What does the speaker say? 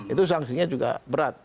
itu sanksinya juga berat